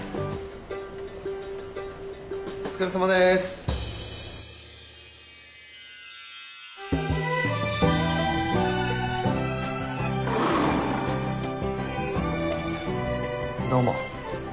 ・お疲れさまです・どうも。